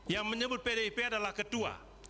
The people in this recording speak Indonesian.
yang menyebut pdip adalah ketua